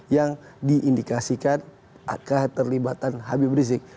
yang diindikasikan terlibatan habib rizieq